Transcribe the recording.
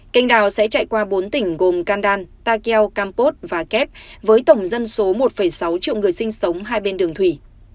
canh đào sẽ chạy qua bốn tỉnh gồm kandan takeo campos và kép với tổng dân số một sáu triệu người sinh sống hai bên đường thủy